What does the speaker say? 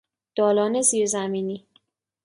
دالان زیر زمینی